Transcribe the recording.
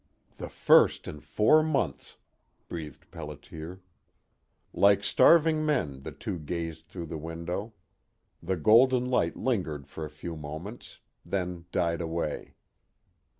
"The first in four months," breathed Pelliter. Like starving men the two gazed through the window. The golden light lingered for a few moments, then died away.